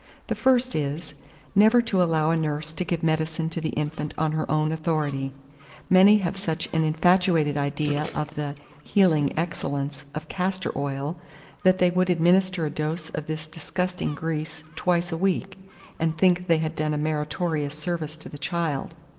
The first is, never to allow a nurse to give medicine to the infant on her own authority: many have such an infatuated idea of the healing excellence of castor oil, that they would administer a dose of this disgusting grease twice a week, and think they had done a meritorious service to the child.